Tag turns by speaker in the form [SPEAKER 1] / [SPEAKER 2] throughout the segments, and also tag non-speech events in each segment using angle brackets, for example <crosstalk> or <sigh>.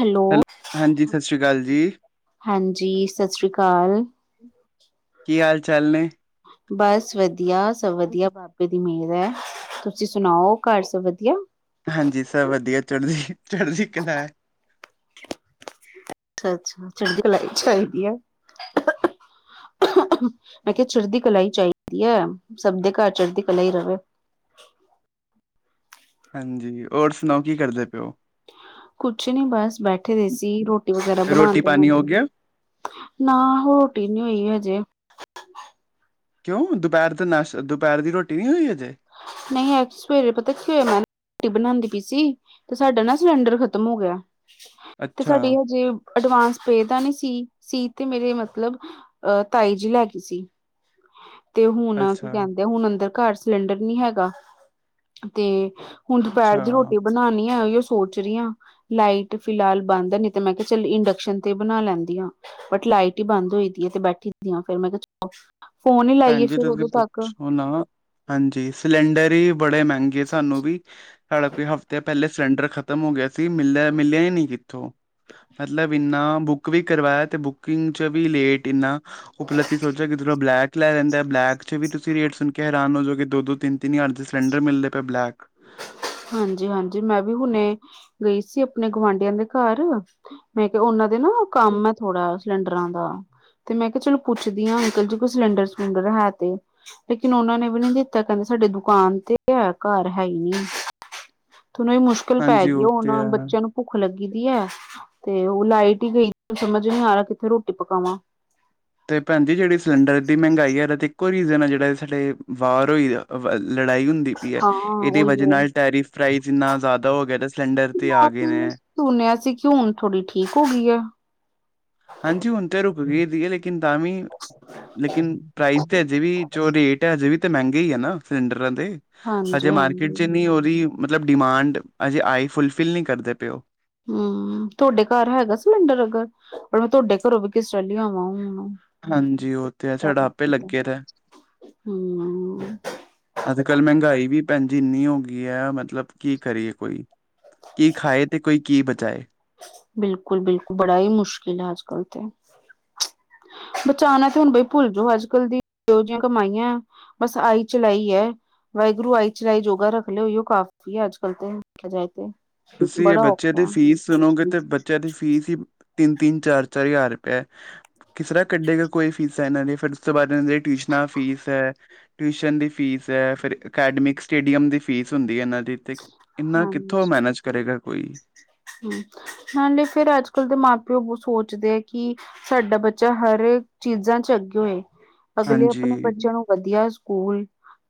[SPEAKER 1] Hello,
[SPEAKER 2] ਹਾਂਜੀ ਸਤਿ ਸ਼੍ਰੀ ਅਕਾਲ ਜੀ
[SPEAKER 1] ਹਾਂਜੀ ਸਤਿ ਸ਼੍ਰੀ ਅਕਾਲ।
[SPEAKER 2] ਕੀ ਹਾਲ ਚਾਲ ਨੇ?
[SPEAKER 1] ਬਸ ਵਧੀਆ, ਸਭ ਵਧੀਆ ਬਾਬ ਜੀ ਦੀ ਮੇਹਰ ਐ, ਤੁਸੀਂ ਸੁਣਾਓ ਘਰ ਸਭ ਵਧੀਆ।
[SPEAKER 2] ਹਾਂਜੀ, ਸਭ ਵਧੀਆ ਚੜਦੀ-ਚੜਦੀ ਕਲਾ ਐ।
[SPEAKER 1] ਅੱਛਾ, ਅੱਛਾ ਚੜਦੀ ਕਲਾ ਈ ਚਾਹੀਦੀ ਅ। ਮੈਂ ਕਿਹਾ ਚੜ੍ਹਦੀ ਕਲਾ ਈ ਚਾਹੀਦੀ ਐ, ਸਭ ਦੇ ਘਰ ਚੜ੍ਹਦੀ ਕਲਾ ਈ ਰਵੇ।
[SPEAKER 2] ਹਾਂਜੀ, ਹੋਰ ਸੁਣਾਓ ਕੀ ਕਰਦੇ ਪੇ ਔ?
[SPEAKER 1] ਕੁਛ ਨੀ ਬਸ ਬੈਠੇ ਦੇ ਸੀ ਰੋਟੀ ਵਗੈਰਾ ਬਣਾਣ
[SPEAKER 2] ਰੋਟੀ
[SPEAKER 1] ਦੇ
[SPEAKER 2] ਪਾਣੀ ਹੋ ਗਿਆ
[SPEAKER 1] ਨਾ ਰੋਟੀ ਨੀ ਹੋਈ ਹਜੇ।
[SPEAKER 2] ਕਿਓਂ ਦੂਪਹਿਰ ਦੇ ਨਾਸ਼, ਦੁਪਹਿਰ ਦੀ ਰੋਟੀ ਨੀ ਹੋਈ ਅਜੇ?
[SPEAKER 1] ਨਈ ਆਜ ਸਵੇਰੇ ਪਤਾ ਕਿ ਹੋਇਆ ਮੈਂ ਰੋਟੀ ਬਣਾਦੀ ਪਈ ਸੀ। ਤੇ ਸਾਡਾ ਨਾ ਸਿਲੰਡਰ ਖਤਮ ਹੋ ਗਿਆ, ਤੇ
[SPEAKER 2] ਅੱਛਾ
[SPEAKER 1] ਸਾਡੀ ਹਜੇ ਅਡਵਾਂਸ ਪੇ ਦਾ ਨੀ ਸੀ ਸੀ ਤੇ ਮੇਰੇ ਮਤਲਬ, ਅਹ ਤਾਈ ਜੀ ਲੈ ਗਈ ਸੀ। <inaudible> ਤੇ ਹੁਣ ਕੀ
[SPEAKER 2] ਅੱਛਾ
[SPEAKER 1] ਕਹਿੰਦੇ ਆ ਹੁਣ ਅੰਦਰ ਘਰ ਸਿਲੰਡਰ ਨੀ ਹੈਗਾ, ਤੇ ਹੁਣ ਦੁਪਹਿਰ
[SPEAKER 2] ਅੱਛਾ
[SPEAKER 1] ਦੀ ਰੋਟੀ ਬਣਾਂਣੀ ਐ ਓਸ਼ ਸੋਚ ਰੀ ਆ, ਲਾਈਟ ਫਿਲਹਾਲ ਬੰਦ ਐ ਨੀ ਤੇ ਮੈਂ ਤੇ ਸਿਲ ਇੰਡਕਸ਼ਨ ਤੇ ਬਣਾ ਲੈਂਦੀ ਆ। ਬਟ ਲਾਈਟ ਈ ਬੰਦ ਹੋਈ ਦੀ ਐ ਤੇ ਬੈਠੀ ਦੀ ਆ ਫਿਰ ਮੈਂ ਕਿਹਾ ਚੱਲੋ ਫੋਨ ਹੀ ਲਾਈਏ ਫੇਰ ਉਦੋਂ ਤੱਕ।
[SPEAKER 2] ਉਹ ਨਾਂ ਹਾਂਜੀ ਸਿਲੰਡਰ ਈ ਬੜੇ ਮਹਿੰਗੇ ਸਾਨੂੰ ਵੀ ਸਾਡਾ ਕੋਈ ਹਫ਼ਤੇ ਪਹਿਲੇ ਸਿਲੰਡਰ ਖ ਖਤਮ ਹੋ ਗਿਆ ਸੀ ਮਿਲਿਆ, ਮਿਲਿਆ ਈ ਨੀ ਕਿੱਥੋਂ। ਮਤਲਬ ਇੰਨਾ ਬੁੱਕ ਵੀ ਕਰਵਾਇਆ ਤੇ ਬੁਕਿੰਗ 'ਚ ਵੀ ਲੇਟ ਇੰਨਾਂ ਉਪਲੱਧੀ ਸੋਚਿਆ ਕਿ ਥੋੜਾ ਬਲੈਕ। ਬਲੈਕ 'ਚ ਵੀ ਤੁਸੀਂ ਰੇਟ ਸੁਣ ਕੇ ਹੈਰਾਨ ਹੋ ਜਾਓਗੇ ਦੋ ਦੋ ਤਿੰਨ ਤਿੰਨ ਹਜ਼ਾਰ ਦੇ ਸਿਲੰਡਰ ਮਿਲਦੇ ਪਏ ਬਲੈਕ।
[SPEAKER 1] ਹਾਂਜੀ-ਹਾਂਜੀ ਮੈਂ ਵੀ ਹੁਣੇ ਗਈ ਸੀ ਆਪਣੇ ਗੁਆਂਢੀਆਂ ਦੇ ਘਰ। ਮੈਂ ਕਿਹਾ ਉਹਨਾਂ ਦੇ ਨਾ ਕੰਮ ਐ ਨਾ ਥੋੜਾ ਸਿਲੰਡਰਾਂ ਦਾ। ਤੇ ਮੈਂ ਕਿਹਾ ਚਲੋ ਪੁੱਛਦੀ ਆ ਅੰਕਲ ਜੀ ਕੋਈ ਸਿਲੰਡਰ ਸਿਲੰਡਰ ਹੈ ਤੇ। ਲੇਕਿਨ ਉਨ੍ਹਾਂ ਨੇ ਵੀ ਨੀ ਦਿੱਤਾ ਕਹਿੰਦੇ ਸਾਡੇ ਦੁਕਾਨ ਤੇ ਐ ਘਰ। ਹੈ ਈ ਨੀ, ਤੇ ਹੁਣ ਇਹ ਮੁਸ਼ਕਿਲ ਪੈ
[SPEAKER 2] ਹਾਂਜੀ
[SPEAKER 1] ਗਈ
[SPEAKER 2] ਉਹ
[SPEAKER 1] ਹੁਣ
[SPEAKER 2] ਤੇ ਹੈ
[SPEAKER 1] ਬੱਚਿਆਂ ਨੂੰ। ਭੁੱਖ ਲੱਗੀ ਦੀ ਐ ਤੇ ਉਹ ਲਾਈਟ ਈ ਗਈ ਸਮਝ ਨੀ ਆਰਿਆ ਕਿੱਥੇ ਰੋਟੀ ਪਕਾਵਾਂ।
[SPEAKER 2] ਤੇ ਭੈਣ ਜੀ ਜਿਹੜੀ ਸਿਲੰਡਰ ਦੀ ਮਹਿੰਗਾਈ ਐ ਤੇ ਇੱਕੋ ਰੀਜ਼ਨ ਆ ਜਿਹੜਾ ਸਾਡੇ ਵਾਰ ਹੋਈ ਲੜਾਈ ਹੁੰਦੀ।
[SPEAKER 1] ਹਾਂ
[SPEAKER 2] ਇਹਦੇ
[SPEAKER 1] ਉਹੀ
[SPEAKER 2] ਵਜ੍ਹਾ
[SPEAKER 1] ਉਹ
[SPEAKER 2] ਨਾਲ ਟੈਫਾਈਜ਼ ਇੰਨਾ ਜ਼ਿਆਦਾ ਹੋ ਗਿਆ ਸਿਲੰਡਰ ਤੇ ਆ ਗਏ ਨੇ।
[SPEAKER 1] ਸੁਣਿਆ ਸੀ ਕਿ ਹੁਣ ਥੋੜੀ ਠੀਕ ਹੋ ਗਈ ਆ।
[SPEAKER 2] ਹਾਂਜੀ ਹੁਣ ਤੇ ਰੁਕ ਗਈ ਦੀ ਏ। ਲੇਕਨ ਤਾਂ ਵੀ, ਲੇਕਿਨ ਪ੍ਰਾਈਜ਼ ਤੇ ਹਜੇ ਵੀ ਜੋ ਰੇਟ ਐ ਹਜੇ ਵੀ। ਤੇ ਮਹਿੰਗੇ ਈ ਆ ਨਾ ਸਿਲੰਡਰਾਂ ਤੇ,
[SPEAKER 1] ਹਾਂਜੀ
[SPEAKER 2] ਹਜੇ ਮਾਰਕੀਟ
[SPEAKER 1] ਹਾਂਜੀ
[SPEAKER 2] ਚ ਨੀ ਉਹਦੀ ਮਤਲਬ ਡਿਮਾਂਡ ਅਜੇ ਆਈ ਫੁਲਫਿਲ ਨੀ ਕਰਦੇ ਪਏ ਉਹ।
[SPEAKER 1] ਹੂੰ ਤੁਹਾਡੇ ਘਰ ਹੈਗਾ ਸਿਲੰਡਰ ਅਗਰ ਪਰ ਮੈਂ ਤੁਹਾਡੇ ਘਰੋਂ ਵੀ ਕਿਸ ਤਰਾ ਲਿਆਵਾਂ ਹੁਣ।
[SPEAKER 2] ਹਾਂਜੀ ਉਹ ਤੇ ਹੈ ਸਾਡਾ ਆਪੇ ਲੱਗਆ ਦਾ।
[SPEAKER 1] ਹਮ
[SPEAKER 2] ਅੱਜ ਕੱਲ ਮੈਂਗਾਈ ਵੀ ਭੈਣ ਜੀ ਇੰਨੀ ਹੋ ਗਈ ਐ ਮਤਲਬ ਕੀ ਕਰੀਏ ਕੋਈ। ਕੀ ਖਾਏ ਤੇ ਕੋਈ ਕੀ ਬਚਾਏ।
[SPEAKER 1] ਬਿਲਕੁਲ- ਬਿਲਕੁਲ ਬੜਾ ਈ ਮੁਸ਼ਕਿਲ ਏ ਅਜ ਕਲ ਤੇ। ਬਚਾਨਾ ਤੇ ਹੁਨ ਬਈ ਭੁੱਲ ਜਾਓ ਅੱਜ ਕੱਲ ਦੀ ਜਿ ਕਮਾਈਆਂ। ਬਸ ਆਈ ਚਲਾਈ ਐ। ਵਾਹਿਗੁਰੂ ਆਈ ਚਲਾਈ ਜੋਗਾ ਰੱਖ ਲੇ ਓਈ ਕਾਫ਼ੀ ਐ ਅੱਜ ਕੱਲ ਤੇ।
[SPEAKER 2] ਤੁਸੀ ਏ
[SPEAKER 1] ਬੜਾ
[SPEAKER 2] ਬੱਚੇ ਦੀ
[SPEAKER 1] ਔਖਾ
[SPEAKER 2] ਫੀਸ ਸੁਨੋਗੇ ਤੇ ਬਚੇਆ ਦੀ ਫੀਸ ਈ ਤਿੰਨ ਤਿੰਨ ਚਾਰ ਚਾਰ ਹਜ਼ਾਰ ਰੁਪੇ ਕਿਸਰਾਂ ਕੱਢੇਗਾ ਕੋਈ ਫੀਸਾਂ ਐਨਾਂ ਦੀ ਫੇਰ ਉਸ ਤੋਂ ਬਾਦ ਏਨਾਂ ਦੀ ਟਿਊਸ਼ਨਾਂ ਦੀ ਫੀਸ ਐ। ਟਿਊਸ਼ਨ ਦੀ ਫੀਸ ਐ। ਫੇਰ ਅਕੈਡਮਿਕ ਸਟੇਡੀਅਮ ਦੀ ਫੀਸ ਹੁੰਦੀ ਏ ਏਨਾਂ ਦੀ ਤੇ ਇਨਾਂ ਕਿੱਥੋਂ ਮੈਨੇਜ ਕਰੇਗਾ ਕੋਈ।
[SPEAKER 1] ਹੂੰ, ਨਾਲੇ ਫੇਰ ਅੱਜ ਕੱਲ ਦੇ ਮਾਂ ਪੇਓ ਸੋਚਦੇ ਐ ਕਿ ਸਾਡਾ ਬੱਚਾ ਹਰ ਚੀਜਾਂ ਚ ਅੱਗੇ ਹੋਏ। ਅਗਲੇ ਅਪਣੇ
[SPEAKER 2] ਹਾਂਜੀ
[SPEAKER 1] ਬੱਚੇਆਂ ਨੂੰ ਵਧੀਆ ਸਕੂਲ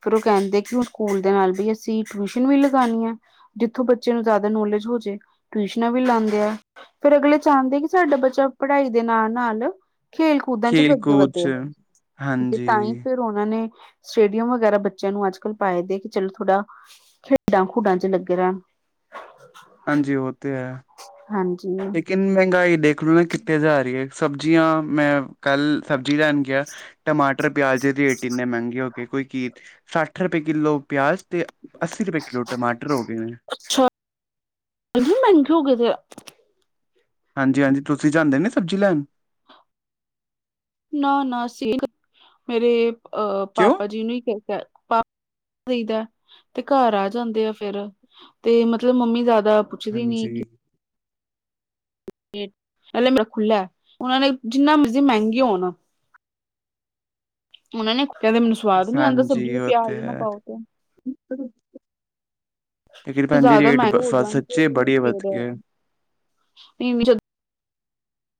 [SPEAKER 1] ਫੇਰ ਓ ਕੈਂਦੇ ਕਿ ਸਕੂਲ ਦੇ ਨਾਲ ਵੀ ਅਸੀ ਟਿਊਸ਼ਨ ਵੀ ਲਗਾਨੀ ਐ। ਜਿੱਥੋਂ ਬੱਚੇ ਨੂੰ ਜਾਦਾ ਨੌਲੇਜ ਹੋ ਜੇ। ਟਿਊਸ਼ਨਾਂ ਵੀ ਲਾਂਦੇ ਐ। ਫੇਰ ਅਗਲੇ ਚਾਂਦੇ ਕਿ ਸਾਡਾ ਬੱਚਾ ਪੜ੍ਹਾਈ ਦੇ ਨਾਲ ਨਾਲ ਖੇਲ ਕੁਦਨ ਚ ਵੀ
[SPEAKER 2] ਖੇਲ
[SPEAKER 1] ਅੱਗੇ
[SPEAKER 2] ਕੂਦ
[SPEAKER 1] ਵੱਧੇ।
[SPEAKER 2] 'ਚ
[SPEAKER 1] ਤੇ ਤਾਂ ਈ
[SPEAKER 2] ਹਾਂਜੀ
[SPEAKER 1] ਤੇ ਓਨਾਂ ਨੇ ਸਟੇਡੀਅਮ ਵਗੈਰਾ ਬੱਚੇਆਂ ਨੂੰ ਅੱਜ ਕੱਲ ਪਾਏ ਦੇ ਕਿ ਚਲੋ ਥੋੜਾ ਖੇਡਾਂ ਖੂਡਾਂ ਚ ਲੱਗੇ ਰੈਣ।
[SPEAKER 2] ਹਾਂਜੀ ਓ ਤੇ ਹੈ।
[SPEAKER 1] ਹਾਂਜੀ।
[SPEAKER 2] ਕਿੰਨੀ ਮੈਂਗਾਈ ਦੇਖ ਲਓ ਨਾ ਕਿੱਤੇ ਜਾ ਰੀ ਐ। ਸਬਜੀਆਂ ਮੈਂ ਕੱਲ ਸਬਜੀ ਲੈਣ ਗਆ। ਟਮਾਟਰ ਪਿਆਜ ਦੇ ਰੇਟ ਇੰਨੇ ਮੈਂਗੇ ਹੋਗੇ ਕੋਈ ਕੀ। ਸੱਠ ਰਪਏ ਕਿਲੋ ਪੇਆਜ ਤੇ ਅੱਸੀ ਰਪਏ ਕਿੱਲੋ ਟਮਾਟਰ ਹੋ ਗਏ ਨੇ।
[SPEAKER 1] ਅੱਛਾ, ਏਨੇ ਮੈਂਗੇ ਹੋ ਗਏ ਦੇ ਆ।
[SPEAKER 2] ਹਾਂਜੀ-ਹਾਂਜੀ ਤੁਸੀ ਜਾਂਦੇ ਨੀ ਸਬਜ਼ੀ ਲੈਨ।
[SPEAKER 1] ਨਾ- ਨਾ ਮੇਰੇ ਅ
[SPEAKER 2] ਕਿਉਂ
[SPEAKER 1] ਪਾਪਾ ਜੀ ਨੂੰ ਈ ਕੈ ਪਾ ਕਈਦਾ ਤੇ ਘਰ ਆ ਜਾਂਦੇ ਆ ਫੇਰ, ਤੇ ਮਤਲਬ ਮੰਮੀ ਜਾਦਾ
[SPEAKER 2] ਹਾਂਜੀ।
[SPEAKER 1] ਖੁਲਾ ਐ। ਓਨਾਂ ਨੇ ਜਿੰਨਾ ਮਰਜੀ ਮੈਂਗੀ ਹੋਨ। ਓਨਾ ਨੇ ਕੈਂਦੇ ਮੈਨੂੰ ਸਵਾਦ ਨੀ ਆਂਦਾ
[SPEAKER 2] ਹਾਂਜੀ
[SPEAKER 1] ਸਬਜੀ ਤੇ
[SPEAKER 2] ਉਹ
[SPEAKER 1] ਪੇਆਜ ਈ ਨਾ ਪਾਓ ਤੇ।
[SPEAKER 2] <unintelligible> ਤੇ ਕਿ ਭੈਂਣ ਜੀ
[SPEAKER 1] ਜ਼ਿਆਦਾ
[SPEAKER 2] ਰੇਟ
[SPEAKER 1] ਮਹਿੰਗੇ ਹੋ ਜਾਣ
[SPEAKER 2] ਸੱਚੇ
[SPEAKER 1] ਤੇ
[SPEAKER 2] ਬੜੀ
[SPEAKER 1] ਫੇਰ
[SPEAKER 2] ਵਧ ਗਏ।
[SPEAKER 1] ਨਹੀਂ <unintelligible>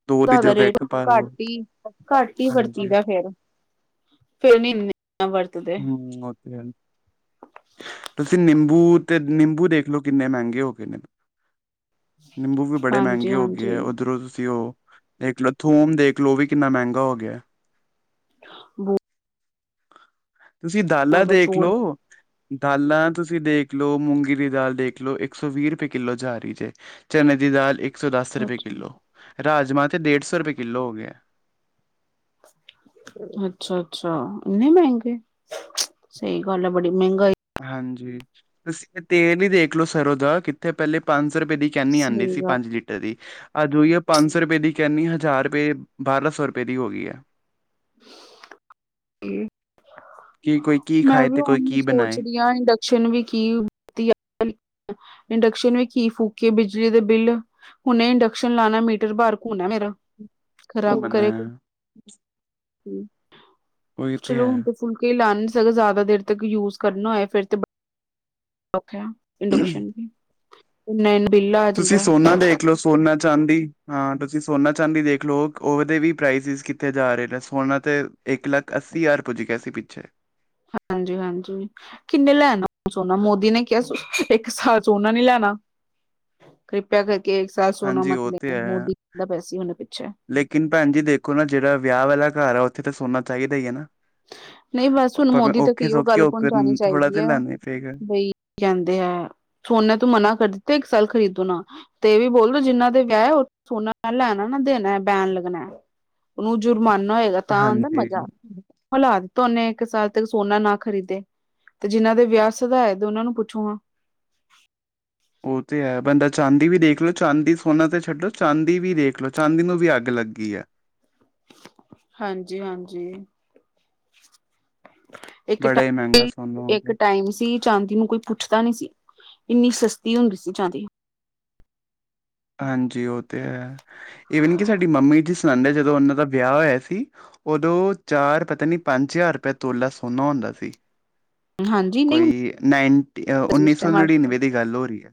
[SPEAKER 2] ਦੋ ਦੀ
[SPEAKER 1] ਜਾ਼ਦਾ
[SPEAKER 2] ਜਗ੍ਹਾ
[SPEAKER 1] ਰੇਟ
[SPEAKER 2] ਇੱਕ ਪਾ ਲੋ।
[SPEAKER 1] ਘਟ ਈ, ਘੱਟ ਈ ਵਰਤੀ
[SPEAKER 2] ਹਾਂਜੀ,
[SPEAKER 1] ਦਾ ਫੇਰ। ਫੇਰ ਮੀਨ ਆ ਵਰ
[SPEAKER 2] ਹੂੰ, ਓ ਤੇ ਹੈ। ਤੁਸੀ ਨਿੰਬੂ ਤੇ ਨਿੰਬੂ ਦੇਖਲੋ, ਕਿੰਨੇ ਮੈਂਗੇ ਹੋ ਗਏ ਨੇ। ਨਿੰਬੂ ਵੀ ਬੜੇ
[SPEAKER 1] ਹਾਂਜੀ
[SPEAKER 2] ਮੈਂਗੇ ਹੋਗੇ
[SPEAKER 1] ਹਾਂਜੀ
[SPEAKER 2] ਐ, ਓਧਰੋਂ ਤੁਸੀ ਓ ਦੇਖ ਲਓ ਥੋਮ ਦੇਖ ਲਓ ਓਵੀ ਕਿੰਨਾ ਮੈਂਗਾ ਹੋ ਗੇਆ ਐ।
[SPEAKER 1] ਬੋ
[SPEAKER 2] ਤੁਸੀ ਦਾਲਾਂ
[SPEAKER 1] ਜ਼ਿਆਦਾ
[SPEAKER 2] ਦੇਖ
[SPEAKER 1] ਚੋਰ
[SPEAKER 2] ਲਓ। ਦਾਲਾਂ ਤੁਸੀਂ ਦੇਖ ਲੋ, ਮੂੰਗੀ ਦੀ ਦਾਲ ਦੇਖ ਲੋ, ਇੱਕ ਸੌ ਵੀ ਰਪਏ ਕਿੱਲੋ ਜਾ ਰੀ ਜੇ। ਚਨੇ ਦੀ ਦਾਲ ਇੱਕ ਸੌ ਦਸ ਰਪਏ
[SPEAKER 1] ਅੱਛਾ
[SPEAKER 2] ਕਿੱਲੋ, ਰਾਜਮਾਂ ਤੇ ਡੇਢ ਸੌ ਰਪਏ ਕਿੱਲੋ ਹੋ ਗੇਐ।
[SPEAKER 1] ਅੱਛਾ, ਅੱਛਾ ਇੰਨੇ ਮੈਂਗੇ। ਸਹੀ ਗੱਲ ਹੈ ਬੜੀ ਮਹਿੰਗਾਈ।
[SPEAKER 2] ਹਾਂਜੀ, ਤੁਸੀਂ ਇਹ ਤੇਲ ਹੀ ਦੇਖਲੋ ਸਰੋਂ ਦਾ ਕਿੱਥੇ ਪਹਿਲੇ ਪੰਜ ਸੌ ਰੁਪਏ ਦੀ, ਕੇਨੀ ਆਂਦੇ
[SPEAKER 1] ਸਹੀ
[SPEAKER 2] ਸੀ
[SPEAKER 1] ਗੱਲ
[SPEAKER 2] ਪੰਜ ਲੀ ਦੀ ਅੱਜ ਓਹੀ ਹੈ ਪੰਜ ਸੌ ਰੁਪਏ ਦੀ ਕੇਨੀ ਹਜ਼ਾਰ ਰੁਪਏ, ਬਾਰਾਂ ਸੌ ਰੁਪਏ ਦੀ ਹੋ ਗਈ ਹੈ।
[SPEAKER 1] ਕਿ,
[SPEAKER 2] ਕਿ ਕੋਈ ਕੀ
[SPEAKER 1] ਮੈਂ
[SPEAKER 2] ਖਾਏ
[SPEAKER 1] ਵੀ
[SPEAKER 2] ਤੇ ਕੋਈ
[SPEAKER 1] ਹੁਣ
[SPEAKER 2] ਕੀ
[SPEAKER 1] ਸੋਚ
[SPEAKER 2] ਬਣਾਏ
[SPEAKER 1] ਰਹੀ, ਆ ਇੰਡਕਸ਼ਨ ਵੀ ਕੀ, ਦੀ ਆ ਇੰਡਕਸ਼ਨ ਵੀ ਕੀ ਫੂਕੀ ਏ ਬਿਜਲੀ ਦੇ ਬਿੱਲ, ਹੁਨੇ ਇੰਡਕਸ਼ਨ ਲਾਣਾ ਮੀਟਰ ਬਾਹਰ ਘੁੰਮਣਾ ਮੇਰਾ। ਖਰਾਬ
[SPEAKER 2] ਘੁੰਮਣ
[SPEAKER 1] ਕਰੇ ਕੋ, ਹੁ,
[SPEAKER 2] ਉਹੀ
[SPEAKER 1] ਚਲੋ ਹੁਣ
[SPEAKER 2] ਹੈ।
[SPEAKER 1] ਤੇ ਫੁੱਲ ਕੇ ਲਾਣ ਸਗੋਂ ਜ਼ਿਆਦਾ ਦੇਰ ਤੱਕ ਯੂਜ ਕਰਨਾ ਹੋਏ ਫਿਰ ਤੇ, ਔਖਾ। ਇੰਡਕਸ਼ਨ, ਏਨਾ-ਏਨਾ ਬਿੱਲ
[SPEAKER 2] ਤੁਸੀਂ
[SPEAKER 1] ਜਾਂਦਾ
[SPEAKER 2] ਸੋਨਾ ਦੇ, ਦੇਖ ਲਓ ਸੋਨਾ ਚਾਂਦੀ ਹਾਂ ਤੁਸੀਂ ਸੋਨਾ ਚਾਂਦੀ ਦੇਖ ਲਓ, ਉਹਦੇ ਵੀ ਪ੍ਰਾਈਜ ਕਿ ਕਿੱਥੇ ਜਾ ਰਹੇ ਨੇ, ਸੋਨਾ ਤੇ ਇੱਕ ਲੱਖ ਅੱਸੀ ਹਜ਼ਾਰ ਪੁੱਜ ਗਿਆ ਸੀ ਪਿੱਛੇ।
[SPEAKER 1] ਹਾਂਜੀ-ਹਾਂਜੀ। ਕਿੰਨੇ ਲੈਣਾ ਸੋਨਾ, ਮੋਦੀ ਨੇ ਕਿਹਾ ਇੱਕ ਸਾਲ ਸੋਨਾ ਨੀ ਲੈਣਾ। ਕਿਰਪਾ ਕਰਕੇ ਏਕ ਸਾਲ ਸੋਨਾ
[SPEAKER 2] ਹਾਂਜੀ
[SPEAKER 1] ਮਤ
[SPEAKER 2] ਉਹ ਤੇ
[SPEAKER 1] ਲੈਨਾ,
[SPEAKER 2] ਹੈ
[SPEAKER 1] ਮੋਦੀ ਦਾ ਪਾਇਆ ਸੀ ਉਹਨੇ ਪਿੱਛੇ।
[SPEAKER 2] ਲੇਕਿਨ ਭੈਣ ਜੀ ਦੇਖੋ ਨਾ ਜਿਹੜਾ ਵਿਆਹ ਵਾਲਾ ਘਰ ਆ ਉੱਥੇ ਤਾਂ ਸੋਨਾ ਚਾਹੀਦਾ ਹੀ ਹੈ ਨਾ।
[SPEAKER 1] ਨਹੀਂ ਬਸ ਹੁਣ
[SPEAKER 2] ਆਪਾਂ ਮੈਂ
[SPEAKER 1] ਮੋਦੀ ਤਕ
[SPEAKER 2] ਔਖੇ
[SPEAKER 1] ਇਹੀਓ
[SPEAKER 2] ਸੌਖੇ
[SPEAKER 1] ਗੱਲ
[SPEAKER 2] ਹੋਕਰ
[SPEAKER 1] ਪਹੁੰਚਾਨੀ
[SPEAKER 2] ਥੋੜਾ
[SPEAKER 1] ਚਾਹੀਦੀ
[SPEAKER 2] ਤੇ
[SPEAKER 1] ਹੈ,
[SPEAKER 2] ਲਾਉਣਾ ਪਏਗਾ
[SPEAKER 1] ਬਈ ਕਹਿੰਦੇ ਐ, ਸੋਨੇ ਤੂੰ ਮਨਾ ਕਰ ਦਿੱਤਾ ਇੱਕ ਸਾਲ ਖਰੀਦੋ ਨਾ, ਤੇ ਇਹ ਵੀ ਬੋਲੋ ਜਿੰਹਨਾਂ ਦੇ ਵਿਆਹ ਆ ਓਹ ਸੋਨਾ ਨਾ ਲੈਣਾ ਨਾ ਦੇਣਾ ਬੈਨ ਲੱਗਣਾ। ਉਹਨੂੰ ਜੁਰਮਾਨਾ ਹੋਏਗਾ ਤਾਂ ਆਂਦਾ ਮਜ਼ਾ।
[SPEAKER 2] ਹਮ
[SPEAKER 1] ਹਲਾ ਦਿੱਤਾ ਉਹਨੇ ਇੱਕ ਸਾਲ ਤੱਕ ਸੋਨਾ ਨਾ ਖਰੀਦੇ। ਤੇ ਜਿਨਾਂ ਦੇ ਵਿਆਹ ਸ ਦਾ ਹੈ ਤੇ ਉਹਨਾਂ ਨੂੰ ਪੁੱਛੋ ਹਾਂ।
[SPEAKER 2] ਉਹ ਤੇ ਹੈ ਬੰਦਾ ਚਾਂਦੀ ਵੀ ਦੇਖ ਲਓ ਚਾਂਦੀ ਸੋਨਾ ਤੇ ਛੱਡੋ ਚਾਂਦੀ ਵੀ ਦੇਖ ਲਓ ਚਾਂਦੀ ਨੂੰ ਵੀ ਅੱਗ ਲੱਗੀ ਆ।
[SPEAKER 1] ਹਾਂਜੀ-ਹਾਂਜੀ। ਇੱਕ
[SPEAKER 2] ਬੜਾ ਹੀ ਮਹਿੰਗਾ
[SPEAKER 1] ਟਾਈ,
[SPEAKER 2] ਸੋਨਾ ਹੋ
[SPEAKER 1] ਇੱਕ
[SPEAKER 2] ਗਿਆ
[SPEAKER 1] ਟਾਈਮ ਸੀ, ਚਾਂਦੀ ਨੂੰ ਕੋਈ ਪੁੱਛਦਾ ਨੀ ਸੀ, ਇੰਨੀ ਸਸਤੀ ਹੁੰਦੀ ਸੀ ਚਾਂਦੀ।
[SPEAKER 2] ਹਾਂਜੀ ਉਹ ਤੇ ਹੈ, ਈਵਨ ਕਿ ਸਾਡੀ ਮੰਮੀ ਜੀ ਸੁਣਾਦੇ ਜਦੋਂ ਉਹਨਾਂ ਦਾ ਵਿਆਹ ਹੋਇਆ ਸੀ, ਉਦੋਂ ਚਾਰ ਪਤਾ ਨੀ ਪੰਜ ਹਜ਼ਾਰ ਰੁਪਏ ਤੋਲਾ ਸੋਨਾ ਹੁੰਦਾ ਸੀ।
[SPEAKER 1] ਹਾਂਜੀ ਨਹੀਂ ਹੁੰਦੀ
[SPEAKER 2] ਕੋਈ ਨਾਈਨ
[SPEAKER 1] ਸੀ
[SPEAKER 2] ਉੱਨੀ
[SPEAKER 1] ਉਸ
[SPEAKER 2] ਸੌ
[SPEAKER 1] ਟਾਈਮ ਅੱਜ
[SPEAKER 2] ਨੜਿਨਵੇਂ ਦੀ ਗੱਲ ਹੋ ਰਹੀ ਹੈ।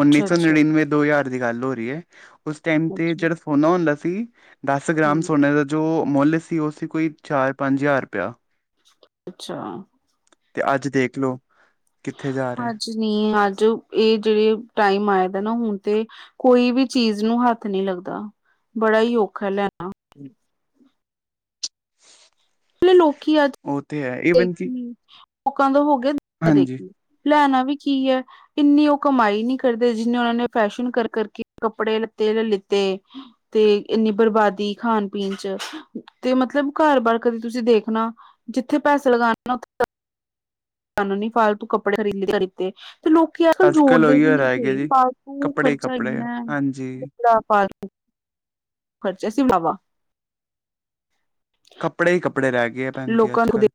[SPEAKER 2] ਉੱਨੀ ਸੌ
[SPEAKER 1] ਅੱਛਾ
[SPEAKER 2] ਨੜਿਨਵੇਂ ਦੋ ਹਜ਼ਾਰ ਦੀ ਗੱਲ ਹੋ ਰਹੀ ਹੈ, ਉਸ ਟਾਈਮ ਤੇ
[SPEAKER 1] ਅੱਛਾ
[SPEAKER 2] ਜਿਹੜਾ ਸੋਨਾ ਹੁੰਦਾ ਸੀ, ਦਸ ਗ੍ਰਾਮ ਸੋਨੇ ਦਾ ਜੋ ਮੁੱਲ ਸੀ ਉਹ ਸੀ ਕੋਈ ਚਾਰ ਪੰਜ ਹਜ਼ਾਰ ਰੁਪਇਆ।
[SPEAKER 1] ਅੱਛਾ।
[SPEAKER 2] ਤੇ ਅੱਜ ਦੇਖ ਲੋ, ਕਿੱਥੇ ਜਾ ਰਿਹਾ।
[SPEAKER 1] ਕੁਛ ਨੀ ਅੱਜ ਇਹ ਜਿਹੜੇ ਟਾਈਮ ਆਏ ਦਾ ਨਾ ਹੁਣ ਤੇ, ਕੋਈ ਵੀ ਚੀਜ਼ ਨੂੰ ਹੱਥ ਨਹੀਂ ਲੱਗਦਾ, ਬੜਾ ਹੀ ਔਖਾ ਲੈਣਾ।
[SPEAKER 2] ਹੂ
[SPEAKER 1] ਲੋਕੀ ਅੱਜ
[SPEAKER 2] ਉਹ ਤੇ ਹੈ ਈ।
[SPEAKER 1] ਦੇਖੀ ਲੋਕਾਂ ਤੋਂ ਹੋ ਗਏ
[SPEAKER 2] ਹਾਂਜੀ
[SPEAKER 1] ਦੇਖੀ, ਲੈਣਾ ਵੀ ਕੀ ਹੈ। ਇੰਨੀ ਉਹ ਕਮਾਈ ਨਹੀਂ ਕਰਦੇ ਜਿੰਨੇ ਉਹਨਾਂ ਨੇ ਫੈਸ਼ਨ ਕਰ ਕਰਕੇ ਕੱਪੜੇ ਲੱਤੇ-ਲਿੱਤੇ। ਤੇ ਇੰਨੀ ਬਰਬਾਦੀ ਖਾਣ-ਪੀਣ ਚ ਤੇ ਮਤਲਬ ਘਰ ਬਾਰ ਕਦੇ ਤੁਸੀਂ ਦੇਖਣਾ ਜਿੱਥੇ ਪੈਸਾ ਲਗਾਣਾ ੳਥੇ ਸਾਨੂੰ ਨੀ ਫਾਲਤੂ ਕੱਪੜੇ ਖਰੀਦਦੇ ਲੀਤੇ ਤੇ ਲੋਕੀ ਅੱਜ ਕੱਲ ਜੋੜਦੇ
[SPEAKER 2] ਉਹੀ
[SPEAKER 1] ਵੀ
[SPEAKER 2] ਹੋ
[SPEAKER 1] ਨੀ
[SPEAKER 2] ਰਹਿ ਗਿਆ
[SPEAKER 1] ਸੀ
[SPEAKER 2] ਜੀ
[SPEAKER 1] ਪਾਲਤੂ
[SPEAKER 2] ਕੱਪੜੇ ਹੀ
[SPEAKER 1] ਖਰਚਾ
[SPEAKER 2] ਕੱਪੜੇ
[SPEAKER 1] ਇੰਨਾ
[SPEAKER 2] ਹਾਂਜੀ
[SPEAKER 1] ਬੜਾ ਫਾਲਤੂ ਖਰਚਾ ਸੀ ਨਵਾਂ
[SPEAKER 2] ਕੱਪੜੇ ਹੀ ਕੱਪੜੇ ਰਹਿ ਗਏ ਐ ਭੈਣਜੀ
[SPEAKER 1] ਲੋਕਾਂ
[SPEAKER 2] ਅੱਜ
[SPEAKER 1] ਨੂੰ ਦੇਖ
[SPEAKER 2] ਕੱਲ੍ਹ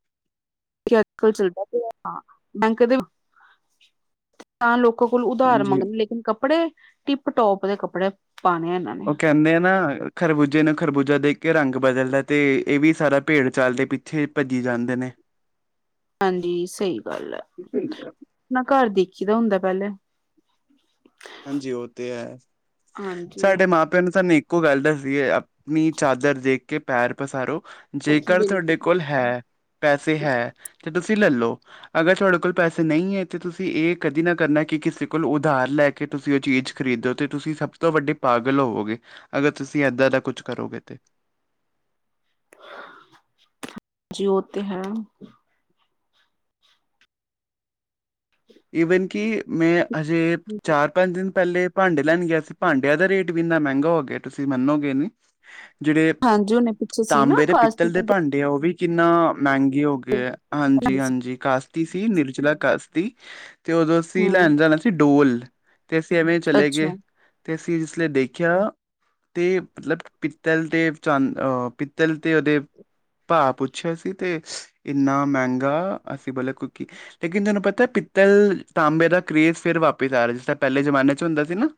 [SPEAKER 1] ਅੱਜ ਕੱਲ ਚੱਲਦਾ ਪਿਆ ਹਾਂ ਬੈਂਕ ਦੇ ਤਾਂ ਲੋਕਾਂ ਕੋਲ ਉਧਾਰ
[SPEAKER 2] ਹਾਂਜੀ
[SPEAKER 1] ਮੰਗਣੇ ਲੇਕਿਨ ਕੱਪੜੇ ਟਿੱਪ- ਟੋਪ ਦੇ ਕੱਪੜੇ ਪਾਣੇ ਇਨ੍ਹਾਂ ਨੇ
[SPEAKER 2] ਓ ਕਹਿੰਦੇ ਆ ਨਾ ਖਰਬੂਜੇ ਨੂੰ ਖਰਬੂਜਾ ਦੇਖ ਕੇ ਰੰਗ ਬਦਲਦਾ ਤੇ ਇਹ ਵੀ ਸਾਰਾ ਭੇੜ- ਚਾਲ ਦੇ ਪਿੱਛੇ ਭੱਜੀ ਜਾਂਦੇ ਨੇ
[SPEAKER 1] ਹਾਂਜੀ ਸਹੀ ਗੱਲ ਹੈ ਅਪਨਾ ਘਰ ਦੇਖੀ ਦਾ ਹੁੰਦਾ ਪਹਿਲੇ
[SPEAKER 2] ਹਾਂਜੀ ਉਹ ਤੇ ਹੈ
[SPEAKER 1] ਹਾਂਜੀ
[SPEAKER 2] ਸਾਡੇ ਮਾਂ ਪਿਓ ਨੇ ਸਾਨੂੰ ਇੱਕੋ ਗੱਲ ਦੱਸੀ ਹੈ ਆਪਣੀ ਚਾਦਰ ਦੇਖ ਕੇ ਪੈਰ ਪਸਾਰੋ ਜੇਕਰ
[SPEAKER 1] ਬਿਲਕੁਲ
[SPEAKER 2] ਤੁਹਾਡੇ ਕੋਲ ਹੈ ਪੈਸੇ ਹੈ ਤੇ ਤੁਸੀਂ ਲੈਲੋ ਅਗਰ ਤੁਹਾਡੇ ਕੋਲ ਪੈਸੇ ਨਹੀਂ ਹੈ ਤੇ ਤੁਸੀਂ ਇਹ ਕਦੇ ਨਾ ਕਰਨਾ ਕਿ ਕਿਸੇ ਕੋਲ ਉਧਾਰ ਲੈ ਕੇ ਕਿ ਤੁਸੀਂ ਉਹ ਚੀਜ਼ ਖਰੀਦੋ ਤੇ ਤੁਸੀਂ ਸਭ ਤੋਂ ਵੱਡੇ ਪਾਗਲ ਹੋਵੋਗੇ ਅਗਰ ਤੁਸੀਂ ਇੱਦਾਂ ਦਾ ਕੁਛ ਕਰੋਗੇ ਤੇ
[SPEAKER 1] ਜੀ ਓ ਤੇ ਹੈ
[SPEAKER 2] ਇਵਨ ਕਿ ਮੈਂ ਅਜੇ ਚਾਰ ਪੰਜ ਦਿਨ ਪਹਿਲੇ ਭਾਂਡੇ ਲੈਣ ਗਿਆ ਸੀ ਭਾਂਡਿਆਂ ਦਾ ਰੇਟ ਵੀ ਇੰਨਾ ਮਹਿੰਗਾ ਹੋ ਗਿਆ ਤੁਸੀਂ ਮੰਨੋਗੇ ਨੀ ਜੇੜੇ
[SPEAKER 1] ਹਾਂਜੀ ਉਹਨੇ ਪਿੱਛੇ ਸੀ ਨਾ
[SPEAKER 2] ਤਾਂਬੇ ਦੇ
[SPEAKER 1] ਕਾਸਟ
[SPEAKER 2] ਪਿੱਤਲ ਦੇ ਭਾਂਡੇ ਉਹ ਵੀ ਕਿੰਨਾ ਮਹਿੰਗੇ ਹੋ ਗਏ ਹੈ ਹਾਂਜੀ- ਹਾਂਜੀ ਕਾਸ਼ਤੀ ਸੀ ਨਿਰਜਲਾ ਕਾਸ਼ਤੀ ਤੇ ਉਦੋਂ ਅਸੀਂ
[SPEAKER 1] ਹਮ
[SPEAKER 2] ਲੈਣ ਜਾਣਾ ਸੀ ਡੋਲ ਤੇ ਅਸੀਂ ਐਵੇਂ ਚਲੇ ਗਏ
[SPEAKER 1] ਅੱਛਾ
[SPEAKER 2] ਤੇ ਅਸੀਂ ਇਸਲੇ ਦੇਖਿਆ ਤੇ ਮਤਲਬ ਪਿੱਤਲ ਤੇ ਚੰਦ ਅਹ ਪਿੱਤਲ ਦੇ ਉਹਦੇ ਭਾ ਪੁੱਛਿਆ ਸੀ ਤੇ ਇੰਨਾ ਮਹਿੰਗਾ ਅਸੀਂ ਬੋਲਿਆਂ ਕਿਉਂਕਿ ਲੇਕਿਨ ਤੁਹਾਨੂੰ ਪਿਤ ਤਲ ਤਾਂਬੇ ਦਾ ਕਰੇਜ਼ ਫਿਰ ਵਾਪਿਸ ਆ ਰਿਹਾ ਜਿਸ ਤਰ੍ਹਾਂ ਪਹਿਲੇ ਜਮਾਨੇ ਚ ਹੁੰਦਾ ਸੀ ਨਾ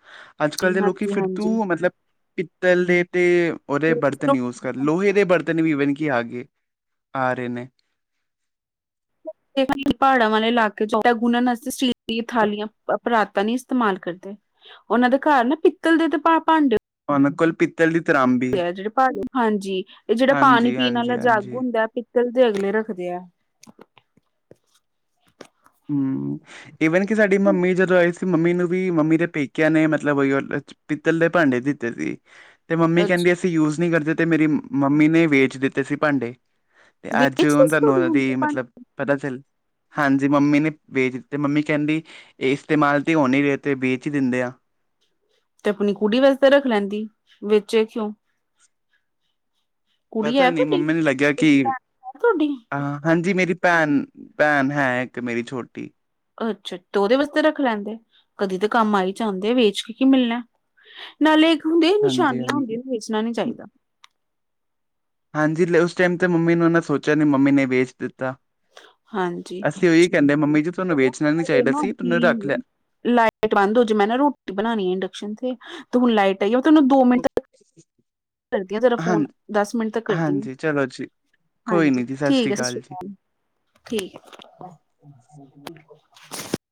[SPEAKER 2] ਅੱਜ
[SPEAKER 1] ਜੀ
[SPEAKER 2] ਕੱਲ੍ਹ ਦੇ ਲੋਕੀ
[SPEAKER 1] ਹਾਂਜੀ
[SPEAKER 2] ਫਿਰ ਤੂ
[SPEAKER 1] ਹਾਂਜੀ
[SPEAKER 2] ਮਤਲਬ ਪਿੱਤਲ ਦੇ ਤੇ ਉਹਦੇ ਬਰਤਨ ਯੂਜ ਕਰ ਲੋਹੇ ਦੇ ਬਰਤਨ ਵੀ ਈਵਨ ਕਿ ਆ ਗਏ ਆ ਰਹੇ ਨੇ
[SPEAKER 1] ਪਹਾੜਾਂ ਵਾਲੇ ਇਲਾਕੇ ਚ ਆਟਾ ਗੁੰਨ੍ਹ ਆਸਤੇ ਸਟੀਲ ਦੀ ਥਾਲੀਆਂ ਪਰਾਤਾਂ ਨੀ ਇਸਤੇਮਾਲ ਕਰਦੇ ਉਹਨਾਂ ਦੇ ਘਰ ਨਾ ਪਿੱਤਲ ਦੇ ਤੇ ਭਾਂਡੇ
[SPEAKER 2] ਉਨਾਂ ਕੋਲ ਪਿਤ <unintelligible> ਪਿੱਤਲ ਦੀ ਤਰਾਮਬੀ
[SPEAKER 1] ਪਿਆ ਜੀ ਹਾਂਜੀ ਇਹ ਜੇਹੜਾ ਪਾਣੀ
[SPEAKER 2] ਹਾਂਜੀ
[SPEAKER 1] ਪੀਣ
[SPEAKER 2] ਹਾਂਜੀ
[SPEAKER 1] ਵਾਲਾ ਜੱਗ
[SPEAKER 2] ਹਾਂਜੀ
[SPEAKER 1] ਹੁੰਦਾ ਪਿੱਤਲ ਦੇ ਅਗਲੇ ਰੱਖਦੇ ਆ
[SPEAKER 2] ਹੂੰ ਈਵਨ ਕਿ ਸਾਡੀ ਮੰਮੀ ਜਦੋਂ ਆਈ ਸੀ ਮੰਮੀ ਨੂੰ ਵੀ ਮੰਮੀ ਦੇ ਪੇਕਿਆਂ ਨੇ ਮਤਲਬ ਉਹੀਓ ਪਿੱਤਲ ਦੇ ਭਾਂਡੇ ਦਿੱਤੇ ਸੀ ਤੇ ਮੰਮੀ
[SPEAKER 1] ਅੱਛਾ
[SPEAKER 2] ਕਹਿੰਦੀ ਅਸੀਂ ਯੂਜ ਨਹੀਂ ਕਰਦੇ ਤੇ ਮੇਰੀ ਮੰਮੀ ਨੇ ਵੇਚ ਦਿੱਤੇ ਸੀ ਭਾਂਡੇ ਤੇ ਅੱਜ
[SPEAKER 1] ਵੇਚਦੇ
[SPEAKER 2] ਉਹ
[SPEAKER 1] ਸੀ
[SPEAKER 2] ਤੁਹਾਨੂੰ
[SPEAKER 1] ਤੁਹਾਡੀ
[SPEAKER 2] ਉਹਨਾਂ
[SPEAKER 1] ਮੰਮੀ
[SPEAKER 2] ਦੀ
[SPEAKER 1] ਭਾਂਡੇ
[SPEAKER 2] ਮਤਲਬ ਪਤਾ ਚੱਲ ਜ ਮੰਮੀ ਨੇ ਵੇਚ ਦਿੱਤੇ ਮੰਮੀ ਕਹਿੰਦੀ ਇਹ ਇਸਤੇਮਾਲ ਤੇ ਹੋ ਨਹੀਂ ਰਹੇ ਅਤੇ ਵੇਚ ਹੀ ਦਿੰਦੇ ਆ
[SPEAKER 1] ਤੇ ਆਪਣੀ ਕੁੜੀ ਵਾਸਤੇ ਰੱਖ ਲੈਂਦੀ ਵੇੇਚੇ ਕਿਉਂ ਕੁੜੀ
[SPEAKER 2] ਪਤਾ
[SPEAKER 1] ਹੈ
[SPEAKER 2] ਨੀ
[SPEAKER 1] ਤੁਹਾਡੀ
[SPEAKER 2] ਮੰਮੀ
[SPEAKER 1] ਹੈ
[SPEAKER 2] ਨੂੰ ਲੱਗਿਆ ਕਿ
[SPEAKER 1] ਤੁਹਾਡੀ
[SPEAKER 2] ਅਹ ਹਾਂਜੀ ਮੇਰੀ ਭੈਣ -ਭੈਣ ਹੈ ਇੱਕ ਮੇਰੀ ਛੋਟੀ
[SPEAKER 1] ਅੱਛਾ ਤੇ ਓਦੇ ਵਾਸਤੇ ਰੱਖ ਲੈਂਦੇ ਕਦੀ ਤਾਂ ਕੰਮ ਆਈ ਜਾਂਦੇ ਵੇਚ ਕੇ ਕੀ ਮਿਲਣਾ। ਨਾਲੇ ਇੱਕ ਹੁੰਦੇ
[SPEAKER 2] ਹਾਂਜੀ
[SPEAKER 1] ਨਿਸ਼ਾਨੀਆਂ
[SPEAKER 2] ਹਾਂਜੀ
[SPEAKER 1] ਹੁੰਦੀਆਂ ਵੇਚਣਾ ਨੀ ਚਾਈਦਾ।
[SPEAKER 2] ਹਾਂਜੀ, ਉਸ ਟੈਮ ਤੇ ਮੰਮੀ ਓਨਾਂ ਨੇ ਸੋਚਿਆ ਨੀ ਮੰਮੀ ਨੇ ਵੇਚ ਦਿੱਤਾ
[SPEAKER 1] ਹਾਂਜੀ।
[SPEAKER 2] ਅਸੀਂ ਓਈ ਕੈਂਨੇ ਆਂ ਮੰਮੀ ਜੀ ਤੁਆਨੂੰ ਵੇਚਣਾ ਨੀ ਚਾਈਦਾ ਸੀ ਤੁਆਨੂੰ ਰੱਖ ਲੈਣ
[SPEAKER 1] ਟ ਬੰਦ ਹੋਜੇ ਮੈਂ ਨਾ ਰੋਟੀ ਬਣਾਣੀ ਐ ਇੰਡਕਸ਼ਨ ਤੇ ਹੁਣ ਲਾਈਟ ਆਈ ਆ ਮੈਂ ਤੁਆਨੂੰ ਦੋ ਮਿੰਟ ਤਕ
[SPEAKER 2] <unintelligible>
[SPEAKER 1] ਕਰਦੀ ਆ ਤੇਰਾ ਫੋਨ
[SPEAKER 2] ਹਾਂਜੀ
[SPEAKER 1] ਦਸ ਮਿੰਟ ਤੱਕ ਕਰਦੀ ਆਂ,
[SPEAKER 2] ਹਾਂਜੀ ਚਲੋ ਜੀ ਕੋਈ
[SPEAKER 1] ਹਾਂਜੀ
[SPEAKER 2] ਨੀ ਜੀ ਸਤਿ
[SPEAKER 1] ਠੀਕ
[SPEAKER 2] ਸ੍ਰੀ
[SPEAKER 1] ਐ, ਸ
[SPEAKER 2] ਅਕਾਲ
[SPEAKER 1] ਸਰੀ
[SPEAKER 2] ਜੀ
[SPEAKER 1] ਕਾਲ। ਠੀਕ ਐ